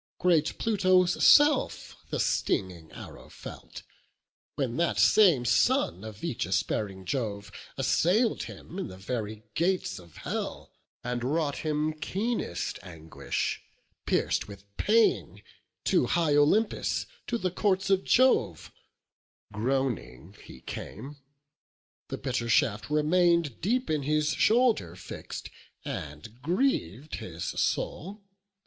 Great Pluto's self the stinging arrow felt, When that same son of aegis bearing Jove Assail'd him in the very gates of hell, And wrought him keenest anguish; pierc'd with pain To high Olympus, to the courts of Jove, Groaning, he came; the bitter shaft remain'd Deep in his shoulder fix'd, and griev'd his soul.